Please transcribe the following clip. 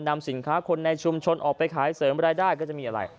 นำสินค้าคนในชุมชนออกไปขายเสริมรายได้ก็จะมีอะไร